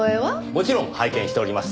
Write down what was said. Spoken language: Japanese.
もちろん拝見しております。